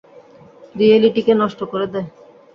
রিয়েলিটিকে নষ্ট করে দেয়।